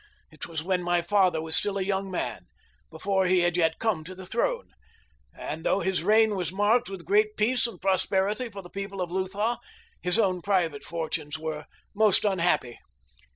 It was when my father was still a young man—before he had yet come to the throne—and though his reign was marked with great peace and prosperity for the people of Lutha, his own private fortunes were most unhappy.